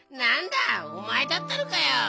おまえだったのかよ！